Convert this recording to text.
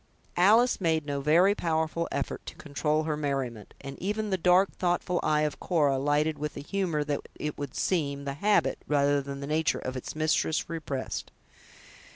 Alice made no very powerful effort to control her merriment; and even the dark, thoughtful eye of Cora lighted with a humor that it would seem, the habit, rather than the nature, of its mistress repressed.